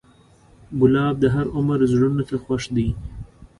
ګلاب د هر عمر زړونو ته خوښ دی.